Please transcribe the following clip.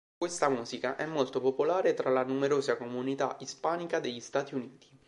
Questa musica è molto popolare tra la numerosa comunità ispanica degli Stati Uniti.